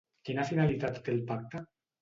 Quina finalitat té el pacte?